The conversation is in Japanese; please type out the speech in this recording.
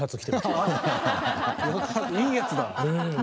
いいやつだ！